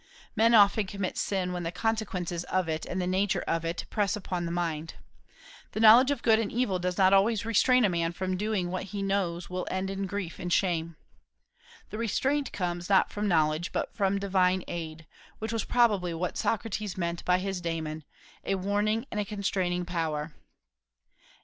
Men often commit sin when the consequences of it and the nature of it press upon the mind. The knowledge of good and evil does not always restrain a man from doing what he knows will end in grief and shame. The restraint comes, not from knowledge, but from divine aid, which was probably what Socrates meant by his daemon, a warning and a constraining power.